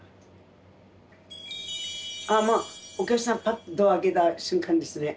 まあお客さんぱってドア開けた瞬間ですね。